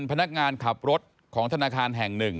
พนักงานขับรถของธนาคารแห่งหนึ่ง